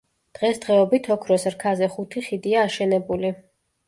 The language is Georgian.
დღესდღეობით, ოქროს რქაზე ხუთი ხიდია აშენებული.